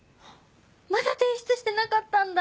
まだ提出してなかったんだ！